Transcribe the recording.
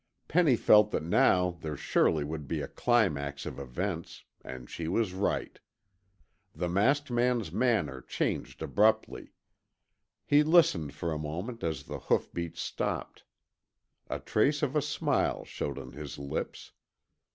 Penny felt that now there surely would be a climax of events, and she was right. The masked man's manner changed abruptly. He listened for a moment as the hoofbeats stopped. A trace of a smile showed on his lips.